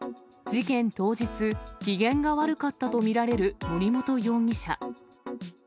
事件当日、機嫌が悪かったと見られる森本容疑者。